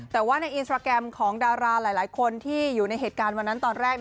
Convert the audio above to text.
แต่ว่าในอินสตราแกรมของดาราหลายคนที่อยู่ในเหตุการณ์วันนั้นตอนแรก